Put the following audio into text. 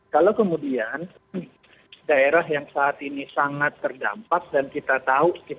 kalau kemudian daerah yang saat ini sangat terdampak dan kita tahu